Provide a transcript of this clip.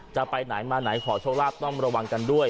จะไปไหนมาไหนขอโชคลาภต้องระวังกันด้วย